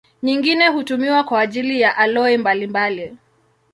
Nyingine hutumiwa kwa ajili ya aloi mbalimbali.